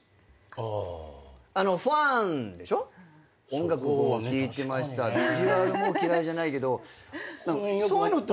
音楽聴いてましたビジュアルも嫌いじゃないけどそういうのって。